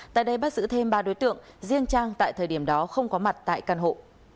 tại đây bắt giữ thêm ba đối tượng riêng trang tại thời điểm đó không có mặt tại căn hộ